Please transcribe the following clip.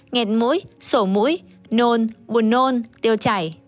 ngẹt mũi sổ mũi nôn buồn nôn tiêu chảy